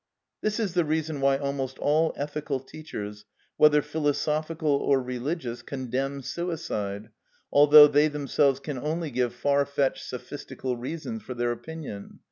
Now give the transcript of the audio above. This is the reason why almost all ethical teachers, whether philosophical or religious, condemn suicide, although they themselves can only give far fetched sophistical reasons for their opinion.